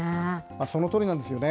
そのとおりなんですよね。